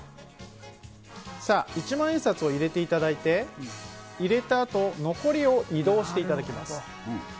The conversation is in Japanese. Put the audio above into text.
さあ、一万円札を入れていただいて、入れたあと、残りを移動していただきます。